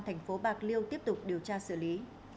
thành phố bạc liêu tiếp tục điều tra xử lý